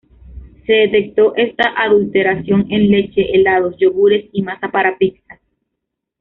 Se detectó esta adulteración en leche, helados, yogures y masa para pizzas.